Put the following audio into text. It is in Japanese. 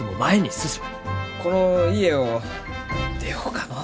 この家を出ようかのう。